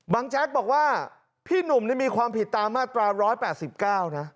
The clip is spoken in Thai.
บางแจ๊กบอกว่าพี่หนุ่มนี่มีความผิดตามมาตราร้อยแปดสิบเก้านะ